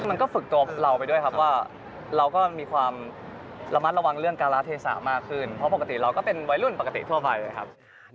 มันก็ฝึกตัวเราไปด้วยครับว่าเราก็มีความระมัดระวังเรื่องการละเทศะมากขึ้นเพราะปกติเราก็เป็นวัยรุ่นปกติทั่วไปนะครับ